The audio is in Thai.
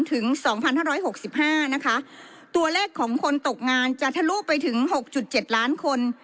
ถึงสองพันห้าร้อยหกสิบห้านะคะตัวเลขของคนตกงานจะทะลุไปถึงหกจุดเจ็ดล้านคน